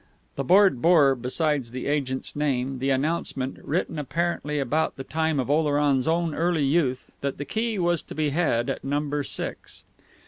The board bore, besides the agent's name, the announcement, written apparently about the time of Oleron's own early youth, that the key was to be had at Number Six.